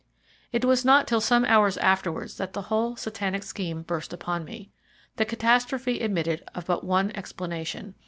It was not till some hours afterwards that the whole Satanic scheme burst upon me. The catastrophe admitted of but one explanation.